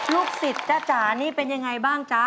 ลูกศิษย์จ๊ะจ๋านี่เป็นยังไงบ้างจ๊ะ